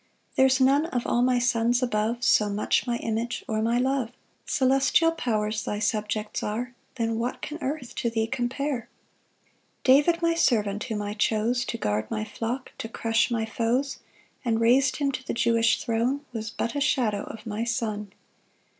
4 "There's none of all my sons above, "So much my image or my love; "Celestial powers thy subjects are, "Then what can earth to thee compare? 5 "David, my servant, whom I chose "To guard my flock, to crush my foes, "And rais'd him to the Jewish throne, "Was but a shadow of my Son."